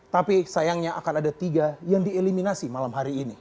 tapi sayangnya akan ada tiga yang dieliminasi malam hari ini